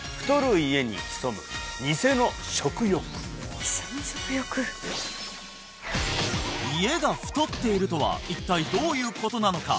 ・ニセの食欲家が太っているとは一体どういうことなのか？